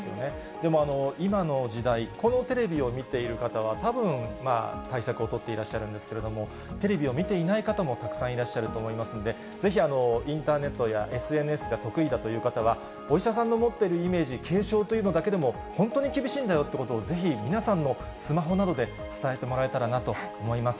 でも、今の時代、このテレビを見ている方は、たぶん、対策を取っていらっしゃるんですけれども、テレビを見ていない方もたくさんいらっしゃると思いますので、ぜひインターネットやＳＮＳが得意だという方は、お医者さんの持っているイメージ、軽症というのだけでも、本当に厳しいんだよということを、ぜひ皆さんのスマホなどで伝えてもらえたらなと思います。